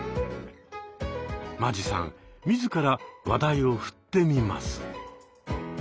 間地さん自ら話題を振ってみます。